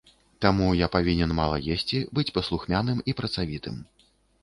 Таму я павінен мала есці, быць паслухмяным і працавітым.